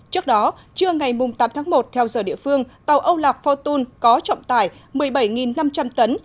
trước đó trưa ngày tám tháng một theo giờ địa phương tàu âu lạc fortun có trọng tải một mươi bảy năm trăm linh tấn